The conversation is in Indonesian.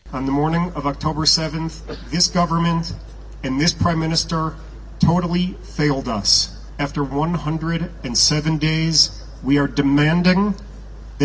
pada pagi oktober tujuh pemerintah ini dan pemerintah pertama ini benar benar mengecewakan kita